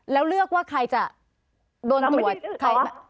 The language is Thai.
แล้วเลือกว่าใครจะโดนตรวจใคร